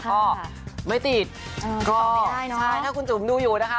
ก็ไม่ติดก็ใช่ถ้าคุณจุ๋มดูอยู่นะคะ